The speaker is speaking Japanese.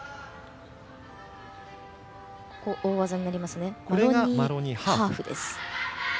大技になりますマロニーハーフです。